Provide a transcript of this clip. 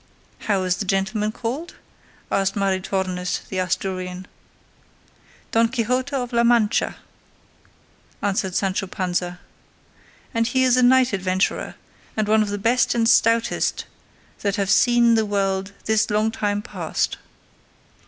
"How is the gentleman called?" asked Maritornes the Asturian. "Don Quixote of La Mancha," answered Sancho Panza, "and he is a knight adventurer, and one of the best and stoutest that have been seen in the world this long time past."